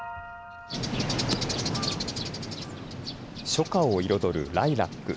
初夏を彩るライラック。